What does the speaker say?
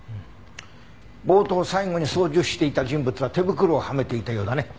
ボートを最後に操縦していた人物は手袋をはめていたようだね。